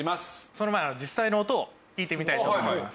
その前に実際の音を聞いてみたいと思います。